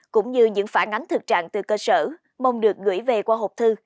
cũng như những phản ánh thực trạng từ cơ sở mong được gửi về qua hộp thư